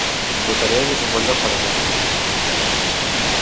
Botarell es un bon lloc per anar-hi